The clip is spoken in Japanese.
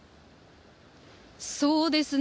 そうですね。